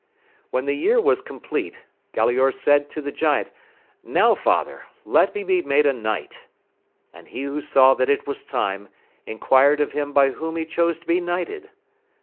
When the year was compleat, Galaor said to the giant, Now, father, let me be made a knight ! and he who saw that it was time, enquired of him by whom he chose to be knighted.